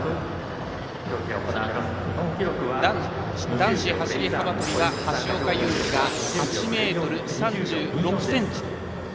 男子走り幅跳びが橋岡優輝が８ｍ３６ｃｍ。